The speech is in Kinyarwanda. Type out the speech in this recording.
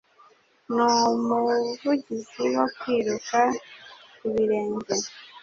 Ni umuvugizi wo kwiruka ibirenge